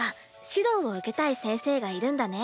指導を受けたい先生がいるんだね。